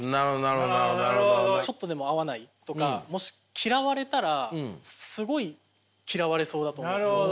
ちょっとでも合わないとかもし嫌われたらすごい嫌われそうだと思うと。